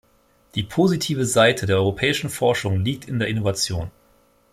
Die positive Seite der europäischen Forschung liegt in der Innovation.